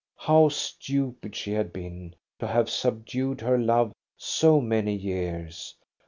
How stupid she had been, to have subdued her love so many years.